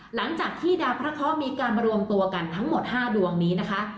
หลังจากที่ดาวพระเคาะมีการมารวมตัวกันทั้งหมด๕ดวงนี้นะคะ